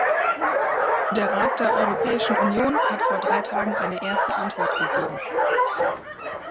Der Rat der Europäischen Union hat vor drei Tagen eine erste Antwort gegeben.